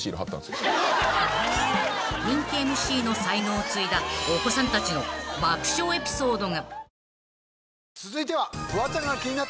［人気ＭＣの才能を継いだお子さんたちの爆笑エピソードが］